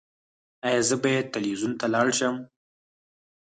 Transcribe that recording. ایا زه باید تلویزیون ته لاړ شم؟